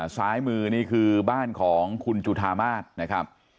ซ้ายมือนี่คือบ้านของคุณจุธามาศนะครับ